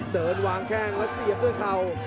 เดินวางแข้งแล้วเสียบด้วยเข่า